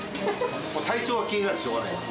もう体調が気になってしょうがない。